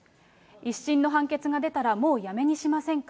１審の判決が出たら、もうやめにしませんか。